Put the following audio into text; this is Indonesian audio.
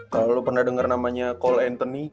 kalo lo pernah denger namanya cole anthony